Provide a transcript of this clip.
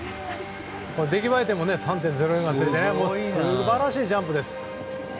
出来栄え点も３．０４がついて素晴らしいジャンプです。